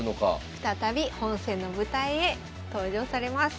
再び本戦の舞台へ登場されます。